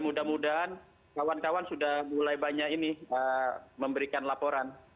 mudah mudahan kawan kawan sudah mulai banyak ini memberikan laporan